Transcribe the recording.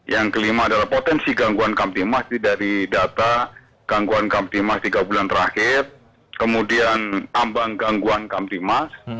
yang ke lima adalah potensi gangguan kamp timas dari data gangguan kamp timas tiga bulan terakhir kemudian tambang gangguan kamp timas